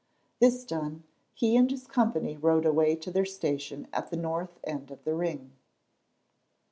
This done, he and his company rode away to their station at the north end of the ring.